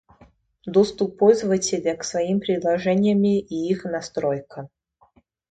Доступ пользователя к своим приложениями и их настройкам